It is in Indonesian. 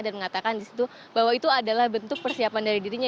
dan mengatakan di situ bahwa itu adalah bentuk persiapan dari dirinya